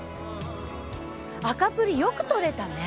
赤プリよく取れたね。